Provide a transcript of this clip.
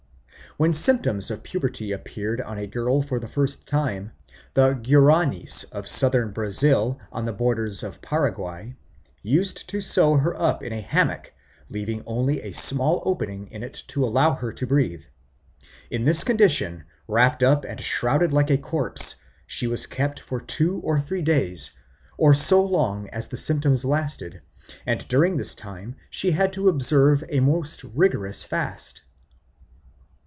When symptoms of puberty appeared on a girl for the first time, the Guaranis of Southern Brazil, on the borders of Paraguay, used to sew her up in her hammock, leaving only a small opening in it to allow her to breathe. In this condition, wrapt up and shrouded like a corpse, she was kept for two or three days or so long as the symptoms lasted, and during this time she had to observe a most rigorous fast.